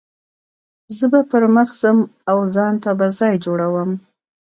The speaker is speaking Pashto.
زه به پر مخ ځم او ځان ته به ځای جوړوم.